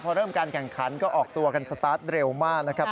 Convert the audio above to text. พอเริ่มการแข่งขันก็ออกตัวกันสตาร์ทเร็วมากนะครับ